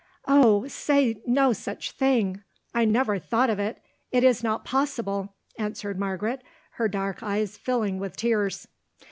"Oh! say no such thing. I never thought of it; it is not possible!" answered Margaret, her dark eyes filling with tears.